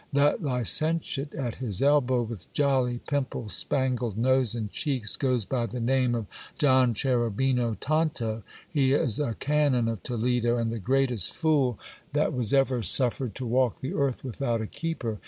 That licentiate at his elbow, with jolly, pimple spangled nose and cheeks, goes by the name of Don Cherubino Tonto. He is a canon of Toledo, and the greatest fool that was ever suffered to walk the earth without a keeper.